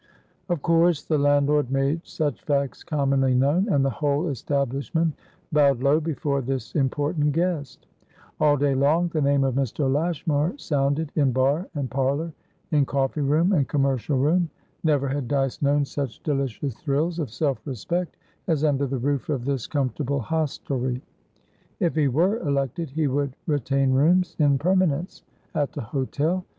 Of course the landlord made such facts commonly known, and the whole establishment bowed low before this important guest. All day long the name of Mr. Lashmar sounded in bar and parlour, in coffee room and commercial room. Never had Dyce known such delicious thrills of self respect as under the roof of this comfortable hostelry. If he were elected, he would retain rooms, in permanence, at the hotel.